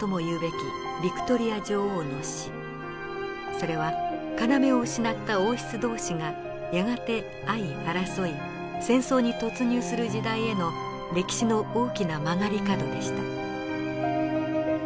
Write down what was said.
それは要を失った王室同士がやがて相争い戦争に突入する時代への歴史の大きな曲がり角でした。